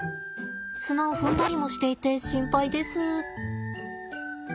砂を踏んだりもしていて心配です。